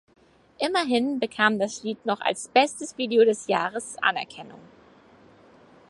Immerhin bekam das Lied noch als "bestes Video des Jahres" Anerkennung.